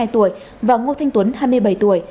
bốn mươi hai tuổi và ngô thanh tuấn hai mươi bảy tuổi